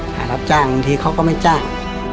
รับจ้างบางทีเขาก็ไม่จ้าง